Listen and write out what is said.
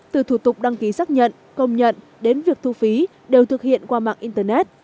từ thủ tục đăng ký xác nhận công nhận đến việc thu phí đều thực hiện qua mạng internet